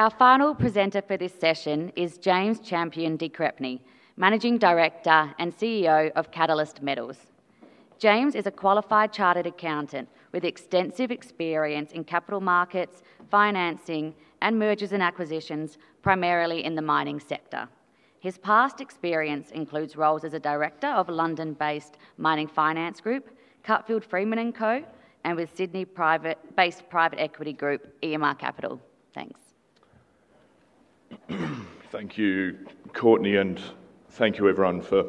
Our final presenter for this session is James Champion de Crespigny, Managing Director and CEO of Catalyst Metals. James is a qualified Chartered Accountant with extensive experience in capital markets, financing, and mergers and acquisitions, primarily in the mining sector. His past experience includes roles as a Director of a London-based mining finance group, Cutfield Freeman & Co, and with Sydney-based private equity group, EMR Capital. Thanks. Thank you, Courtney, and thank you, everyone, for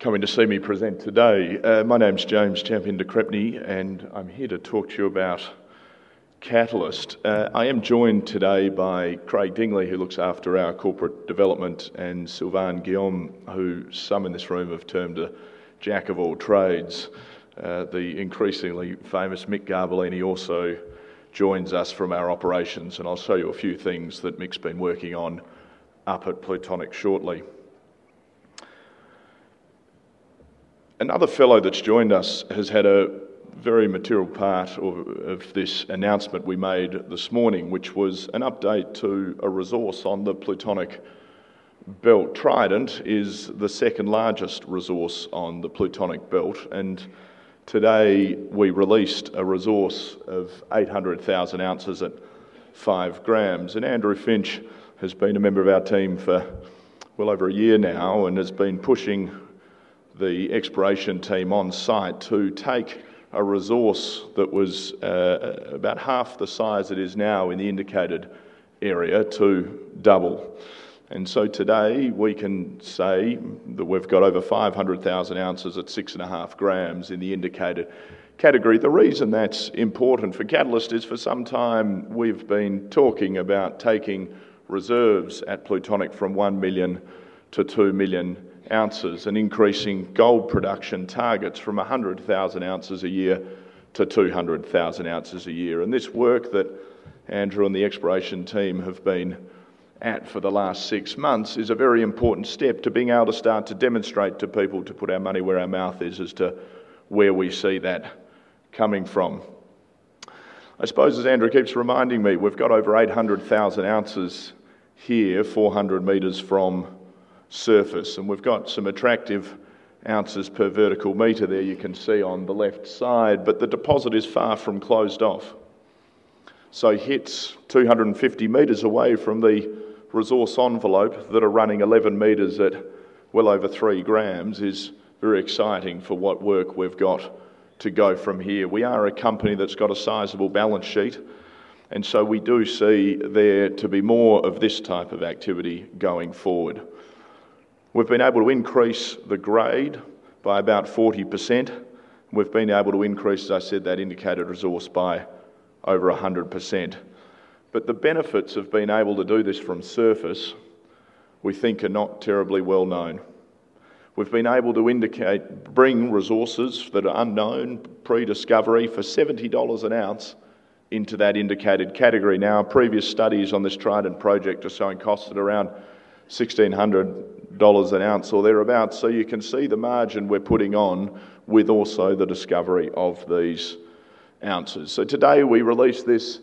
coming to see me present today. My name is James Champion de Crespigny, and I'm here to talk to you about Catalyst. I am joined today by Craig Dingley, who looks after our Corporate Development, and Sylvain Guillaume, who some in this room have termed a "jack of all trades". The increasingly famous Mick Garbellini also joins us from our Operations, and I'll show you a few things that Mick's been working on up at Plutonic shortly. Another fellow that's joined us has had a very material part of this announcement we made this morning, which was an update to a resource on the Plutonic Belt. Trident is the second largest resource on the Plutonic Belt, and today we released a resource of 800,000 oz at 5 g. Andrew Finch has been a member of our team for over a year now and has been pushing the exploration team on site to take a resource that was about half the size it is now in the indicated area to double. Today we can say that we've got over 500,000 oz at 6.5 g in the indicated category. The reason that's important for Catalyst is for some time we've been talking about taking reserves at Plutonic from 1 million oz-2 million oz and increasing gold production targets from 100,000 oz a year to 200,000 oz a year. This work that Andrew and the exploration team have been at for the last six months is a very important step to being able to start to demonstrate to people to put our money where our mouth is as to where we see that coming from. As Andrew keeps reminding me, we've got over 800,000 oz here 400 m from surface, and we've got some attractive ounces per vertical meter there you can see on the left side, but the deposit is far from closed off. Hits 250 m away from the resource envelope that are running 11 m at well over 3 g is very exciting for what work we've got to go from here. We are a company that's got a sizable balance sheet, and we do see there to be more of this type of activity going forward. We've been able to increase the grade by about 40%. We've been able to increase, as I said, that indicated resource by over 100%. The benefits of being able to do this from surface we think are not terribly well known. We've been able to bring resources that are unknown, pre-discovery, for $70 an ounce into that indicated category. Now, previous studies on this Trident project are showing costs at around $1,600 an ounce or thereabouts. You can see the margin we're putting on with also the discovery of these ounces. Today we released this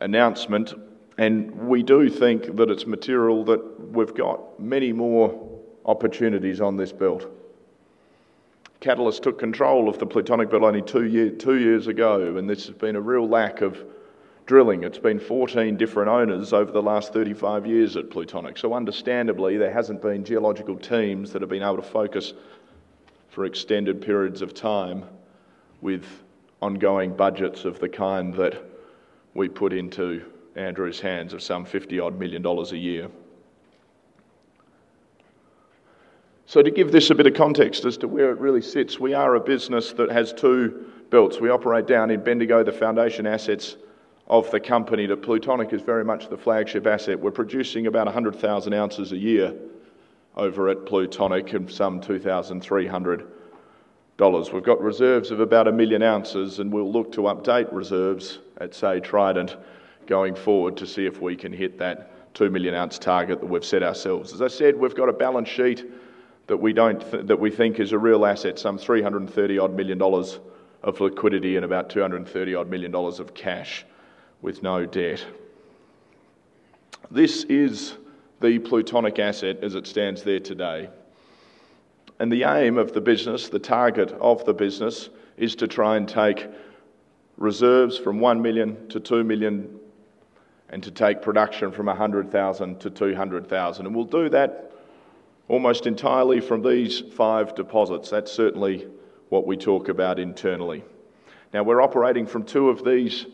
announcement, and we do think that it's material that we've got many more opportunities on this belt. Catalyst took control of the Plutonic Belt only two years ago, and this has been a real lack of drilling. It's been 14 different owners over the last 35 years at Plutonic. Understandably, there hasn't been geological teams that have been able to focus for extended periods of time with ongoing budgets of the kind that we put into Andrew's hands of some 50-odd million dollars a year. To give this a bit of context as to where it really sits, we are a business that has two belts. We operate down in Bendigo. The foundation assets of the company to Plutonic is very much the flagship asset. We're producing about 100,000 oz a year over at Plutonic and some $2,300. We've got reserves of about a million ounces, and we'll look to update reserves at, say, Trident going forward to see if we can hit that 2 million oz target that we've set ourselves. As I said, we've got a balance sheet that we think is a real asset, some 330-odd million dollars of liquidity and about 230-odd million dollars of cash with no debt. This is the Plutonic asset as it stands there today. The aim of the business, the target of the business, is to try and take reserves from 1 million to 2 million and to take production from 100,000 to 200,000. We'll do that almost entirely from these five deposits. That's certainly what we talk about internally. We're operating from two of these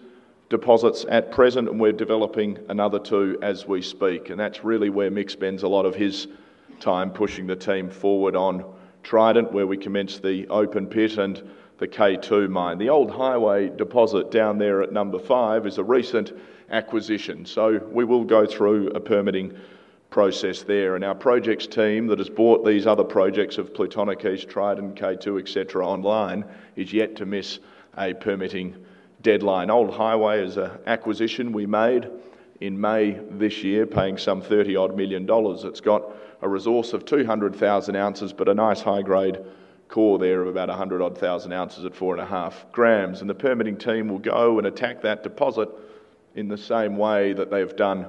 deposits at present, and we're developing another two as we speak. That's really where Mick spends a lot of his time pushing the team forward on Trident, where we commenced the open-pit and the K2 Mine. The Old Highway deposit down there at number five is a recent acquisition. We will go through a permitting process there. Our projects team that has bought these other projects of Plutonic, Trident, K2, et cetera, online is yet to miss a permitting deadline. Old Highway is an acquisition we made in May this year, paying some 30-odd million dollars. It's got a resource of 200,000 oz, but a nice high-grade core there of about 100,000 oz at 4.5 g. The permitting team will go and attack that deposit in the same way that they've done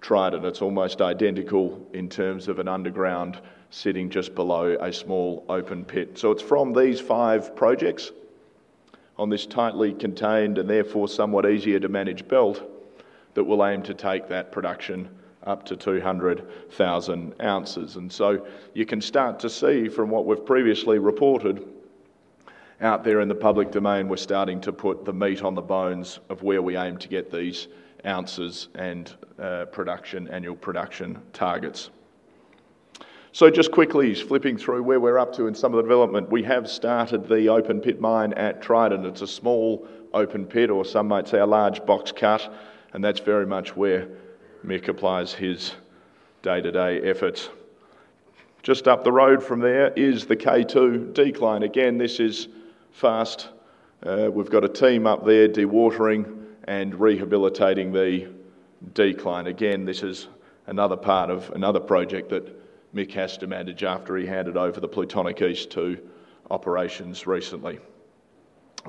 Trident. It's almost identical in terms of an underground sitting just below a small open pit. It's from these five projects on this tightly contained and therefore somewhat easier to manage belt that we'll aim to take that production up to 200,000 oz. You can start to see from what we've previously reported out there in the public domain, we're starting to put the meat on the bones of where we aim to get these ounces and production annual production targets. Just quickly flipping through where we're up to in some of the development, we have started the open pit mine at Trident. It's a small open pit, or some might say a large box cut, and that's very much where Mick applies his day-to-day efforts. Just up the road from there is the K2 decline. Again, this is fast. We've got a team up there dewatering and rehabilitating the decline. This is another part of another project that Mick has to manage after he handed over the Plutonic East to Operations recently.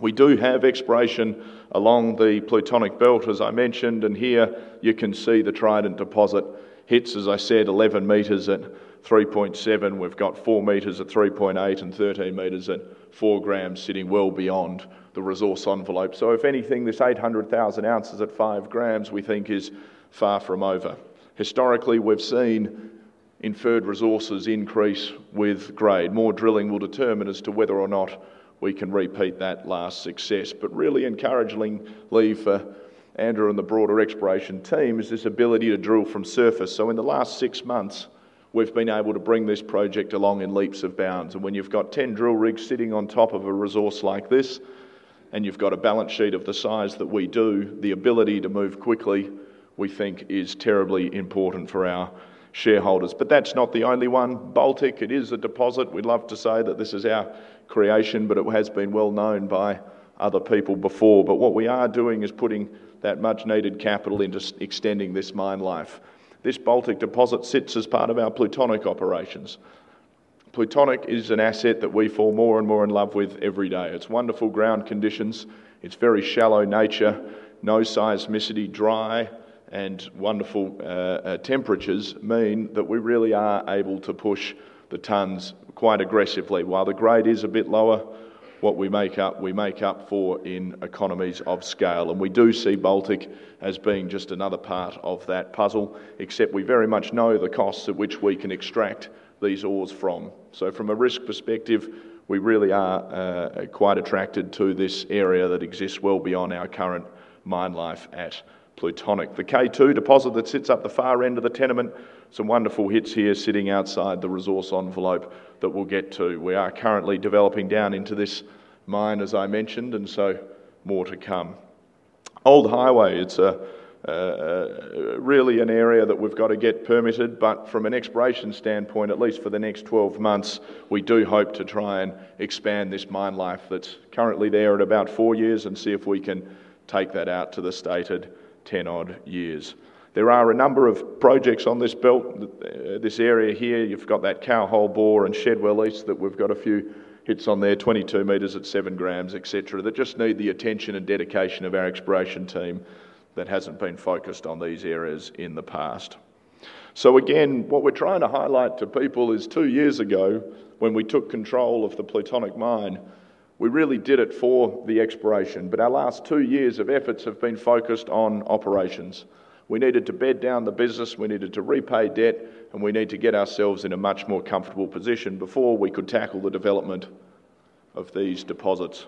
We do have exploration along the Plutonic Belt, as I mentioned, and here you can see the Trident deposit hits, as I said, 11 m at 3.7 g. We've got 4 m at 3.8 g and 13 m at 4 g sitting well beyond the resource envelope. If anything, this 800,000 oz at 5 g we think is far from over. Historically, we've seen inferred resources increase with grade. More drilling will determine as to whether or not we can repeat that last success. Really encouragingly for Andrew and the broader exploration team is this ability to drill from surface. In the last six months, we've been able to bring this project along in leaps of bounds. When you've got 10 drill rigs sitting on top of a resource like this, and you've got a balance sheet of the size that we do, the ability to move quickly we think is terribly important for our shareholders. That's not the only one. Baltic, it is a deposit. We'd love to say that this is our creation, but it has been well known by other people before. What we are doing is putting that much-needed capital into extending this mine life. This Baltic deposit sits as part of our Plutonic operations. Plutonic is an asset that we fall more and more in love with every day. It's wonderful ground conditions. It's very shallow in nature. No seismicity, dry and wonderful temperatures mean that we really are able to push the tons quite aggressively. While the grade is a bit lower, what we make up, we make up for in economies of scale. We do see Baltic as being just another part of that puzzle, except we very much know the costs at which we can extract these ores from. From a risk perspective, we really are quite attracted to this area that exists well beyond our current mine life at Plutonic. The K2 deposit that sits up the far end of the tenement, some wonderful hits here sitting outside the resource envelope that we'll get to. We are currently developing down into this mine, as I mentioned, and more to come. Old Highway, it's really an area that we've got to get permitted, but from an exploration standpoint, at least for the next 12 months, we do hope to try and expand this mine life that's currently there at about four years and see if we can take that out to the stated 10-odd years. There are a number of projects on this belt, this area here. You've got that Cow Hole Bore and Shed release that we've got a few hits on there, 22 m at 7 g, et cetera, that just need the attention and dedication of our exploration team that hasn't been focused on these areas in the past. What we're trying to highlight to people is two years ago when we took control of the Plutonic mine, we really did it for the exploration, but our last two years of efforts have been focused on operations. We needed to bed down the business, we needed to repay debt, and we need to get ourselves in a much more comfortable position before we could tackle the development of these deposits.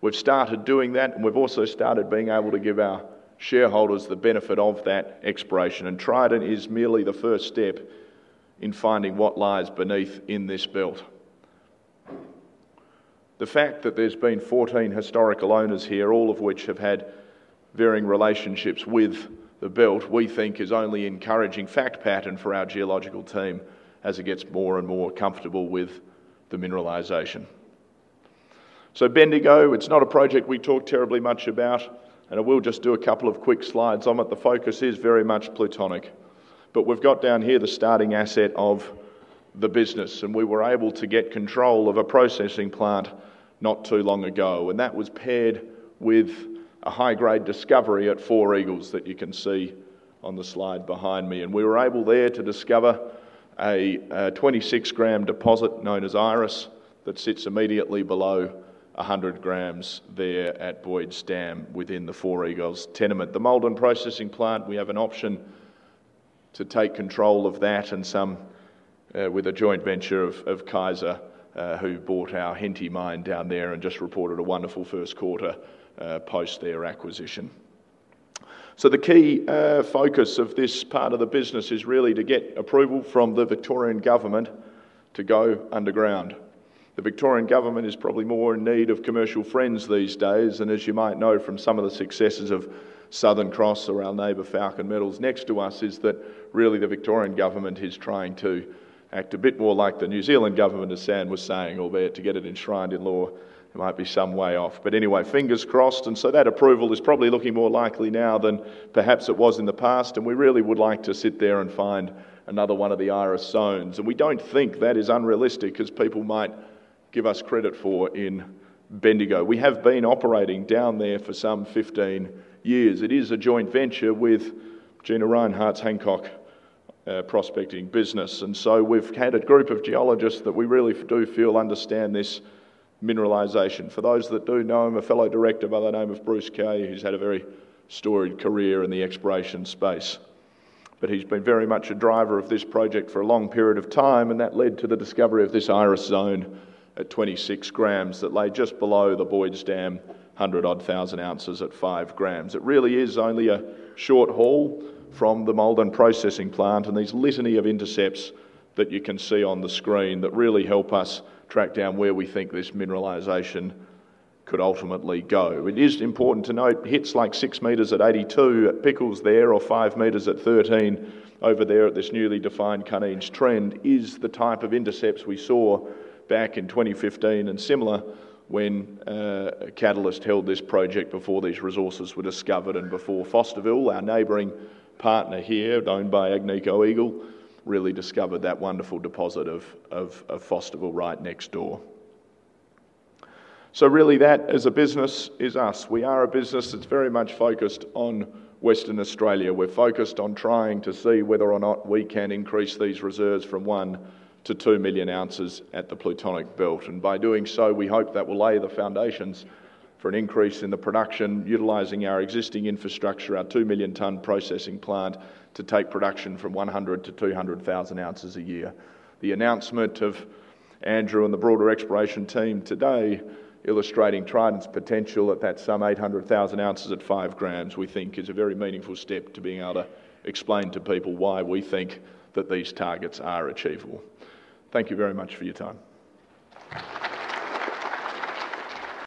We've started doing that, and we've also started being able to give our shareholders the benefit of that exploration. Trident is merely the first step in finding what lies beneath in this belt. The fact that there's been 14 historical owners here, all of which have had varying relationships with the belt, we think is only an encouraging fact pattern for our geological team as it gets more and more comfortable with the mineralization. Bendigo, it's not a project we talk terribly much about, and I will just do a couple of quick slides on it. The focus is very much Plutonic, but we've got down here the starting asset of the business, and we were able to get control of a processing plant not too long ago. That was paired with a high-grade discovery at Four Eagles that you can see on the slide behind me. We were able there to discover a 26-gram deposit known as Iris that sits immediately below 100 g there at Boyd's Dam within the Four Eagles tenement. The Maldon Processing Plant, we have an option to take control of that and some with a joint venture of Kaiser, who bought our Henty Mine down there and just reported a wonderful first quarter post their acquisition. The key focus of this part of the business is really to get approval from the Victorian government to go underground. The Victorian government is probably more in need of commercial friends these days. As you might know from some of the successes of Southern Cross around neighbor Falcon Metals next to us, the Victorian government is trying to act a bit more like the New Zealand government, as [Sam] was saying, albeit to get it enshrined in law. There might be some way off. Fingers crossed. That approval is probably looking more likely now than perhaps it was in the past. We really would like to sit there and find another one of the Iris Zones. We don't think that is unrealistic because people might give us credit for in Bendigo. We have been operating down there for some 15 years. It is a joint venture with Gina Rinehart's Hancock Prospecting business. We've had a group of geologists that we really do feel understand this mineralization. For those that do know him, a fellow director by the name of Bruce Kay, who's had a very storied career in the exploration space. He's been very much a driver of this project for a long period of time. That led to the discovery of this Iris zone at 26 g that lay just below the Boyd's Dam, 100-odd thousand ounces at 5 g. It really is only a short haul from the Maldon Processing Plant and these litany of intercepts that you can see on the screen that really help us track down where we think this mineralization could ultimately go. It is important to note hits like 6 m at 82 at Pickles there or 5 m at 13 over there at this newly defined [cutting-edge trend] is the type of intercepts we saw back in 2015 and similar when Catalyst held this project before these resources were discovered and before Fosterville, our neighboring partner here owned by Agnico Eagle, really discovered that wonderful deposit of Fosterville right next door. That as a business is us. We are a business that's very much focused on Western Australia. We're focused on trying to see whether or not we can increase these reserves from 1 million-2 million oz at the Plutonic Belt. By doing so, we hope that will lay the foundations for an increase in the production utilizing our existing infrastructure, our 2 million-ton processing plant to take production from 100,000 oz-200,000 oz a year. The announcement of Andrew and the broader exploration team today illustrating Trident's potential at that sum, 800,000 oz at 5 g, we think is a very meaningful step to being able to explain to people why we think that these targets are achievable. Thank you very much for your time.